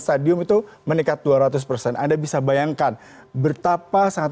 kemudian juga kalau kita bicara mengenai tiket penerbangan